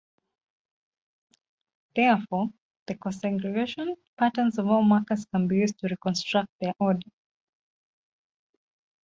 Therefore, the "co-segregation" patterns of all markers can be used to reconstruct their order.